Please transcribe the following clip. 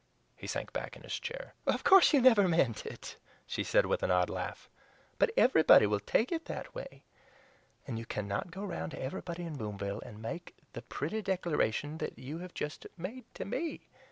He sank back in his chair. "Of course you never MEANT it," she said with an odd laugh; "but everybody will take it in that way, and you cannot go round to everybody in Boomville and make the pretty declaration you have just made to me.